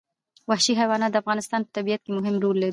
وحشي حیوانات د افغانستان په طبیعت کې مهم رول لري.